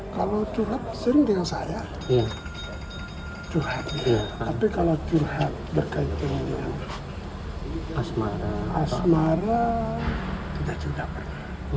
kalau curhat sering dengan saya curhat tapi kalau curhat berkaitan dengan asmara asmara tidak curhat